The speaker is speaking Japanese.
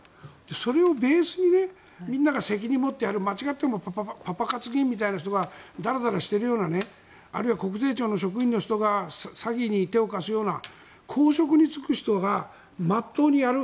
それをベースにみんなが責任を持ってやる間違ってもパパ活議員みたいな人がダラダラしているようなあるいは国税庁の人が詐欺に手を貸すような公職に就く人が真っ当にやる。